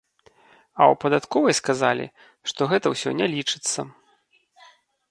А ў падатковай сказалі, што гэта ўсё не лічыцца.